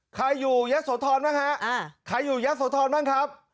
ใครอยู่ยะโสธรบ้างฮะใครอยู่ยะโสธรบ้างครับ